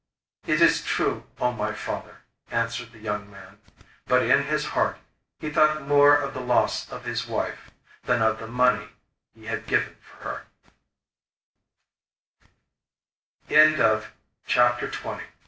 'It is true, O my father,' answered the young man. But in his heart he thought more of the loss of his wife than of the money he had given for